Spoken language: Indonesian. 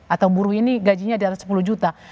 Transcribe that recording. atau buruh ini gajinya di atas sepuluh juta